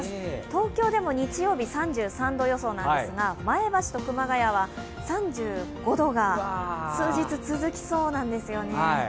東京でも日曜日、３３度予想なんですが、前橋と熊谷は３５度が数日続きそうなんですよね。